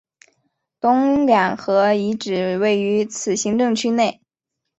东两河遗址位于此行政区内。